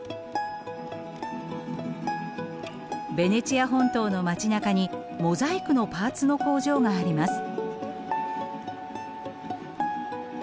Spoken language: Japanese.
ベネチア本島の街なかにモザイクのパーツの工場があります。